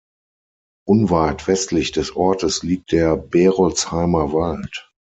Unweit westlich des Ortes liegt der Berolzheimer Wald.